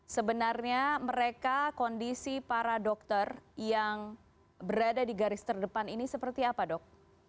sebenarnya mereka kondisi para dokter yang berada di garis terdepan ini seperti apa dok